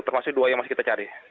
termasuk dua yang masih kita cari